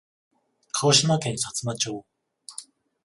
鹿児島県さつま町